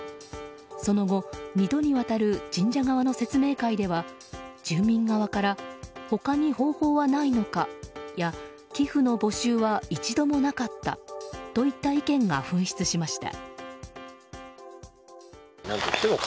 その後、二度にわたる神社側の説明会では住民側から他に方法はないのかや寄付の募集は一度もなかったといった意見が噴出しました。